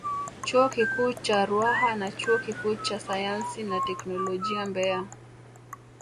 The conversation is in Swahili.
Chuo Kikuu cha Ruaha na Chuo Kikuu cha Sayansi na Teknolojia Mbeya